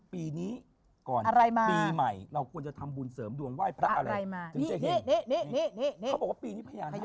ปีนี้ก่อนปีใหม่เราควรจะทำบุญเสริมดวงไหว้พระอะไรจะอย่างนี้ครับอัลลังกิจ